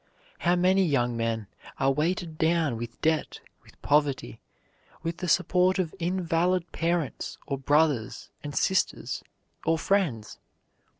How many young men are weighted down with debt, with poverty, with the support of invalid parents or brothers and sisters, or friends?